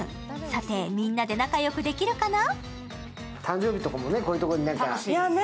さて、みんなで仲よくできるかな？